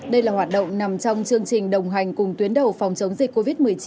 đây là hoạt động nằm trong chương trình đồng hành cùng tuyến đầu phòng chống dịch covid một mươi chín